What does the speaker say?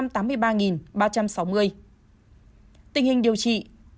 tình hình điều trị